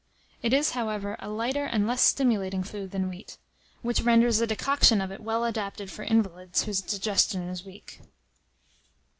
It is, however, a lighter and less stimulating food than wheat, which renders a decoction of it well adapted for invalids whose digestion is weak.